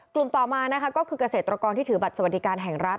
กลุ่มต่อมาก็คือกเกษตรกรที่ถือบัตรสวัสดิการแห่งรัฐ